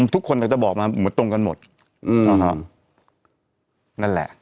ทุกคนอาจจะบอกมาเหมือนตรงกันหมดนั่นแหละ